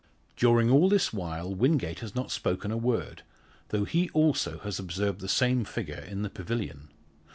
During all this while Wingate has not spoken a word, though he also has observed the same figure in the pavilion.